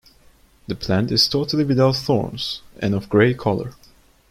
The plant is totally without thorns and of gray color.